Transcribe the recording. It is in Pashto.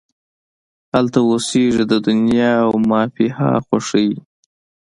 هلته اوسیږې د دنیا او مافیها خوښۍ